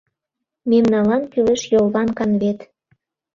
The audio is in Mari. Мемналан кӱлеш йолван канвет.